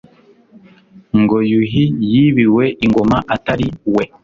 ngo yuhi yibiwe ingoma atari we